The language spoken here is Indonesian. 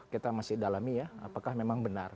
kita masih dalami ya apakah memang benar